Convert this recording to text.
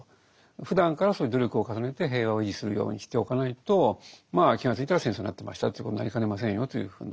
ふだんからそういう努力を重ねて平和を維持するようにしておかないとまあ気がついたら戦争になってましたということになりかねませんよというふうな。